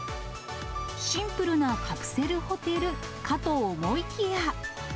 シンプルなカプセルホテルかと思いきや。